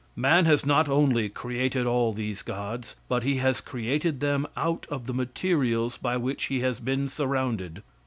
Man has not only created all these gods, but he has created them out of the materials by which he has been surrounded.